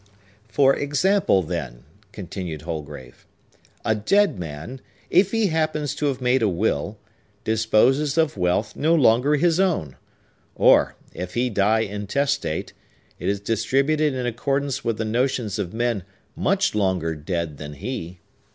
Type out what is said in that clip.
"For example, then," continued Holgrave: "a dead man, if he happens to have made a will, disposes of wealth no longer his own; or, if he die intestate, it is distributed in accordance with the notions of men much longer dead than he.